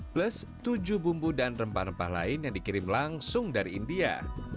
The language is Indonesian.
plus tujuh bumbu dan rempah rempah lain yang dikirim langsung dari india